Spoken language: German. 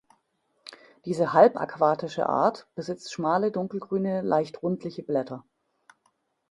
Diese halb-aquatische Art besitzt schmale dunkelgrüne, leicht rundliche Blätter.